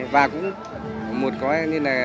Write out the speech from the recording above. và cũng một cái